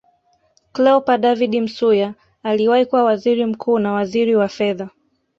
Cleopa David Msuya aliwahi kuwa Waziri mkuu na waziri wa Fedha